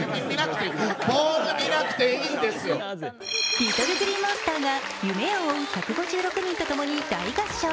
ＬｉｔｔｌｅＧｌｅｅＭｏｎｓｔｅｒが夢を追う１５６人とともに大合唱。